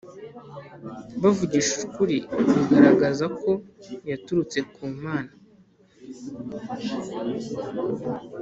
bavugishije ukuri bigaragaza ko yaturutse ku Mana